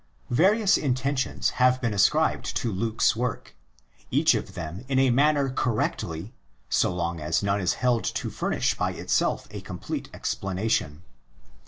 Various intentions have been ascribed to Luke's work ; each of them in a manner correctly, so long as none is held to furnish by itself a complete expla nation.